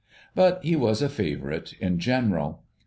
But he was a favourite in general.